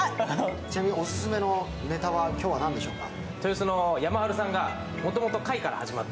ちなみにオススメのネタは何でしょうか？